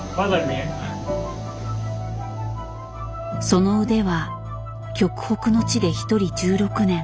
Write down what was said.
その腕は極北の地で一人１６年